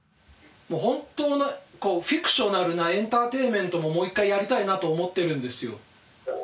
もう本当のフィクショナルなエンターテインメントももう一回やりたいなと思ってるんですよ。